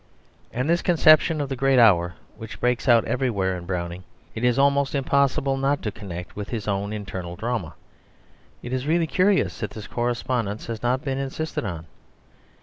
And this conception of the great hour, which breaks out everywhere in Browning, it is almost impossible not to connect with his own internal drama. It is really curious that this correspondence has not been insisted on.